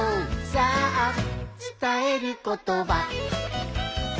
さあつたえることば」